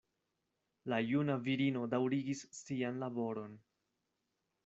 La juna virino daŭrigis sian laboron.